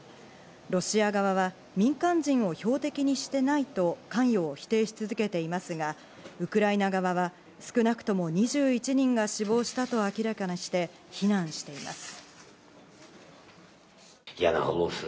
ロシア側は民間人を標的にしてないと関与を否定し続けていますが、ウクライナ側は少なくとも２１人が死亡したと明らかにして非難しています。